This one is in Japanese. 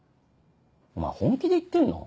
お前本気で言ってんの？